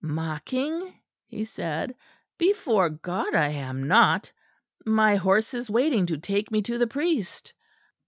"Mocking!" he said, "before God I am not. My horse is waiting to take me to the priest."